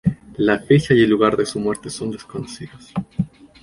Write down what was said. La fecha y el lugar de su muerte son desconocidos.